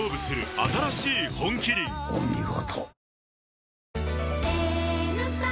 お見事。